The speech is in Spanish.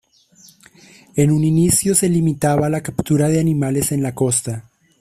En un inicio se limitaba a la captura de animales en la costa.